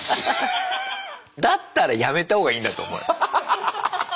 だったらやめた方がいいんだと思うよ。